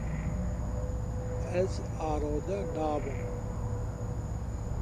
Ez arode nabim.